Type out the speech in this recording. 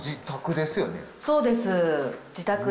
そうです。